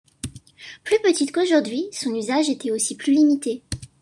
Plus petite qu'aujourd'hui, son usage était aussi plus limité.